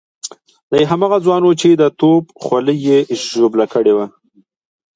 دی هماغه ځوان وو چې د توپ خولۍ ژوبل کړی وو.